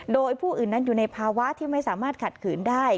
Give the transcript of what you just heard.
โดยผู้อื่นนั้นอยู่ในภาวะที่ไม่สามารถขัดขืนได้